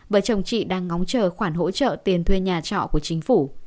vợ chồng chị đang ngóng chờ khoản hỗ trợ tiền thuê nhà trọ của chính phủ